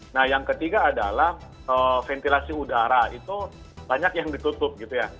nah yang ketiga adalah ventilasi udara itu banyak yang ditutup gitu ya